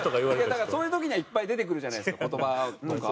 だからそういう時にはいっぱい出てくるじゃないですか言葉とか。